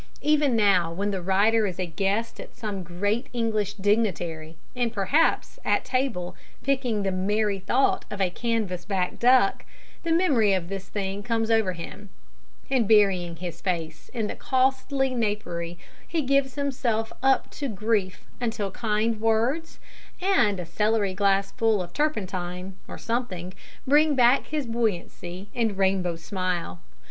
Even now, when the writer is a guest of some great English dignitary, and perhaps at table picking the "merry thought" of a canvas back duck, the memory of this thing comes over him, and, burying his face in the costly napery, he gives himself up to grief until kind words and a celery glass full of turpentine, or something, bring back his buoyancy and rainbow smile.